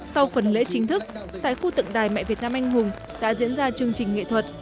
sau phần lễ chính thức tại khu tượng đài mẹ việt nam anh hùng đã diễn ra chương trình nghệ thuật